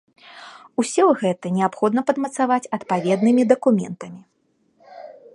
Усё гэта неабходна падмацаваць адпаведнымі дакументамі.